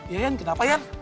iya yan kenapa yan